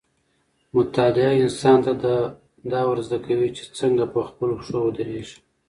مطالعه انسان ته دا ورزده کوي چې څنګه په خپلو پښو ودرېږي.